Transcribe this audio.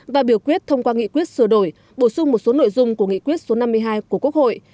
và biểu quyết thông qua nghị quyết sửa đổi bổ sung một số nội dung của nghị quyết số năm mươi hai của quốc hội